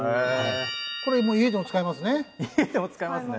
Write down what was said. これ家でも使えますね。